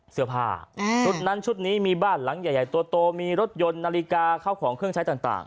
เสื้อผ้าชุดนั้นชุดนี้มีบ้านหลังใหญ่โตมีรถยนต์นาฬิกาเข้าของเครื่องใช้ต่าง